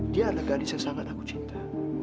dia adalah gadis yang sangat aku cinta